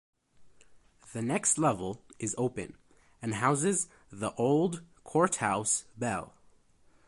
The next level is open and houses the Old Courthouse bell.